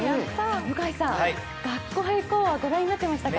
向井さん、「学校へ行こう！」は御覧になってましたか？